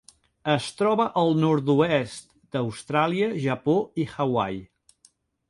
Es troba al nord-oest d'Austràlia, Japó i Hawaii.